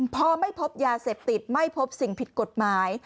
พอไม่พบยาเสพติดไม่พบสิ่งผิดกฎหมาย